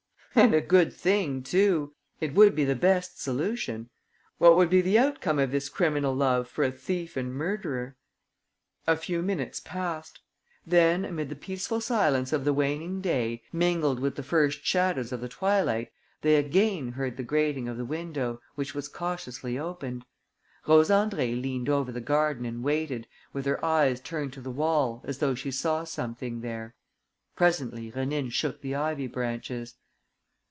"And a good thing too! It would be the best solution. What would be the outcome of this criminal love for a thief and murderer?" A few minutes passed. Then, amid the peaceful silence of the waning day, mingled with the first shadows of the twilight, they again heard the grating of the window, which was cautiously opened. Rose Andrée leant over the garden and waited, with her eyes turned to the wall, as though she saw something there. Presently, Rénine shook the ivy branches.